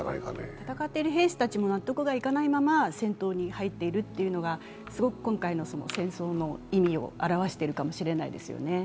戦っている兵士たちも納得がいかないまま戦闘に入っているというのがすごく今回の戦争の意味を表しているかもしれないですよね。